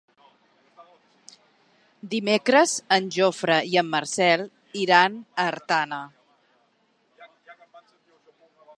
Dimecres en Jofre i en Marcel iran a Artana.